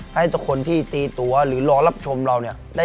ให้ทุกคนที่ตีตัวหรือรอรับชมเราเนี่ย